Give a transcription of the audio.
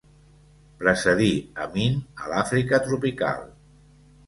Precedí Amin a l'Àfrica tropical.